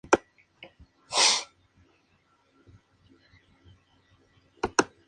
Desde esta perspectiva, lo prioritario del conocimiento científico es su base empírica.